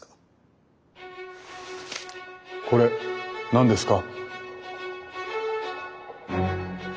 これ何ですか？